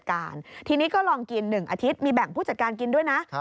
อาทิตย์มีแบ่งผู้จัดการกินด้วยนะ